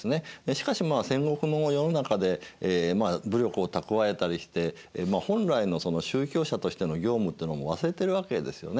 しかしまあ戦国の世の中で武力を蓄えたりして本来の宗教者としての業務ってのも忘れてるわけですよね。